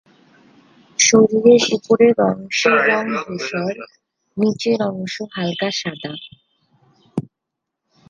শরীরের উপরের অংশের রং ধূসর, নিচের অংশ হালকা সাদা।